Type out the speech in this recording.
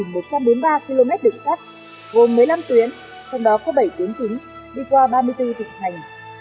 đường sắt việt nam có hai một trăm bốn mươi ba km đường sắt gồm một mươi năm tuyến trong đó có bảy tuyến chính đi qua ba mươi bốn tỉnh thành